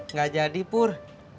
nggak jadi pur